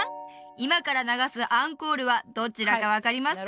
今から流すアンコールはどちらか分かりますか？